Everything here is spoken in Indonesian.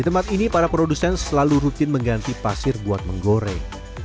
di tempat ini para produsen selalu rutin mengganti pasir buat menggoreng